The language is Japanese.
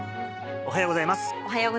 おはようございます。